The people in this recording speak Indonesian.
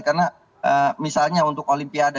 karena misalnya untuk olimpiade